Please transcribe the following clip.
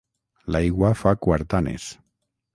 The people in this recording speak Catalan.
L'aigua fa quartanes.